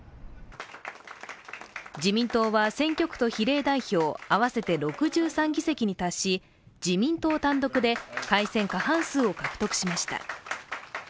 自民党は選挙区と比例代表合わせて６３議席に達し、自民党単独で改選過半数を獲得しました。